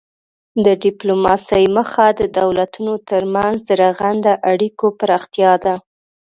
د ډیپلوماسي موخه د دولتونو ترمنځ د رغنده اړیکو پراختیا ده